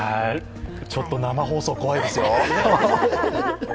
ちょっと生放送、怖いですよ。